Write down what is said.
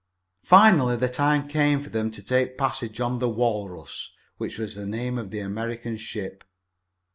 Finally the time came for them to take passage on the Walrus, which was the name of the American ship.